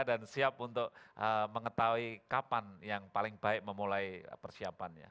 dan siap untuk mengetahui kapan yang paling baik memulai persiapannya